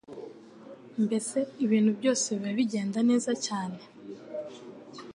Mbese ibintu byose biba bigenda neza cyane,